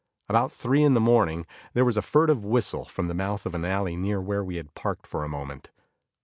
About three in the morning, there was a furtive whistle from the mouth of an alley near where we had parked for a moment.